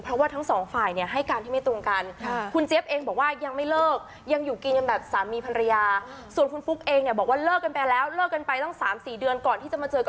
เพราะทั้ง๒ฝ่ายให้การที่ไม่ตรงกัน